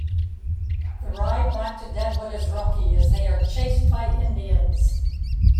The ride back to Deadwood is rocky, as they are chased by Indians.